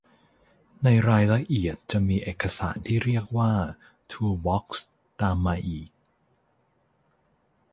ในรายละเอียดจะมีเอกสารที่เรียกว่า ทูลบ็อกซ์ ตามมาอีก